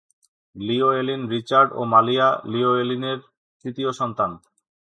Llewellyn Richard ও Maria লিওয়েলিনের তৃতীয় সন্তান।